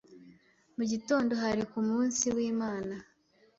Mu gitondo hari ku munsi w’ Imana,